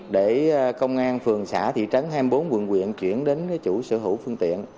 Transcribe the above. để công an phường xã thị trấn hai mươi bốn quận quyện chuyển đến chủ sở hữu phương tiện